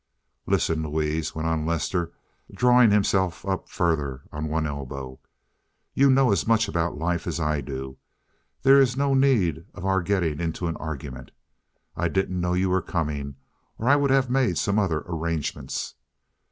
"Listen, Louise," went on Lester, drawing himself up further on one elbow. "You know as much about life as I do. There is no need of our getting into an argument. I didn't know you were coming, or I would have made other arrangements."